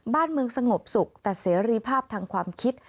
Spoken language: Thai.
บ้านเมืองสงบสุขแต่เสรีภาพทางความคิด